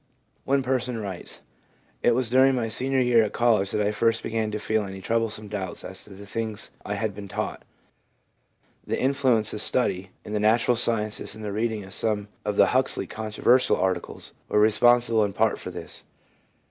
One person writes :' It was during my senior year at college that I first began to feel any troublesome doubts as to the things I had been taught; the influence of study in the natural sciences, and the reading of some of the Huxley controversial articles, were responsible in part for this.